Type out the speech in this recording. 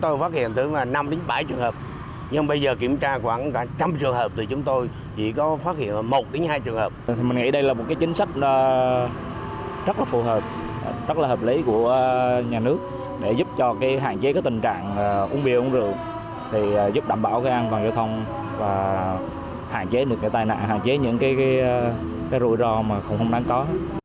thì giúp đảm bảo an toàn giao thông và hạn chế những tai nạn hạn chế những rủi ro mà không đáng có